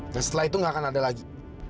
dan setelah itu gak akan ada lagi